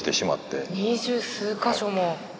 二十数か所も。